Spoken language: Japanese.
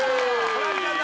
ホランちゃんだ